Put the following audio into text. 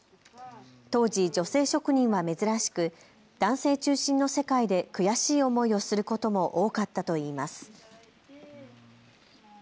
当時、女性職人は珍しく男性中心の世界で悔しい思いをすることも多かったといいます。